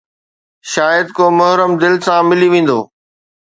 شايد ڪو محرم دل سان ملي ويندو